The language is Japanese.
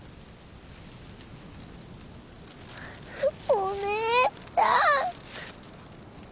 お姉ちゃん。